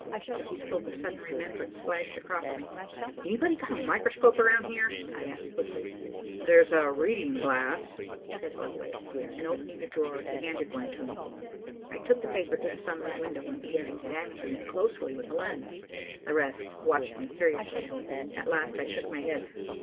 As he spoke a sudden remembrance flashed across me. "Anybody got a microscope around here?" I asked quickly. "There's a reading glass," said Ordway, and opening a drawer he handed one to me. I took the paper to the sunlit window, and began examining it closely with the lens. The rest watched me curiously. At last I shook my head.